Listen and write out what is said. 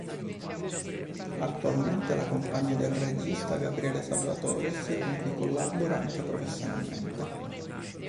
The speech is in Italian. Attualmente è la compagna del regista Gabriele Salvatores, con cui collabora anche professionalmente.